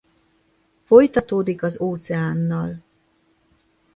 Folytatódik az óceánnal.